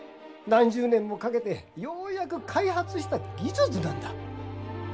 何十年もかけてようやく開発した技術なんだ。